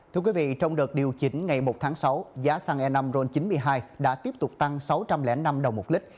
thưa quý vị trong đợt điều chỉnh ngày một tháng sáu giá xăng e năm ron chín mươi hai đã tiếp tục tăng sáu trăm linh năm đồng một lít